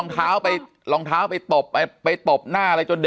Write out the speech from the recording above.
ใช้รองเท้าตบหน้าตบ